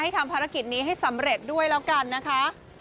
ทำภารกิจนี้ให้สำเร็จด้วยแล้วกันนะคะ